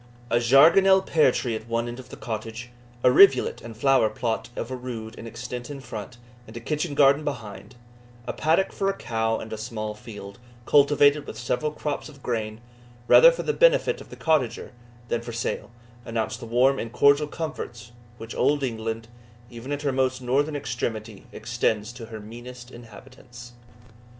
A jargonelle pear tree at one end of the cottage, a rivulet and flower plot of a rood in extent in front, and a kitchen garden behind; a paddock for a cow, and a small field, cultivated with several crops of grain, rather for the benefit of the cottager than for sale, announced the warm and cordial comforts which Old England, even at her most northern extremity, extends to her meanest inhabitants.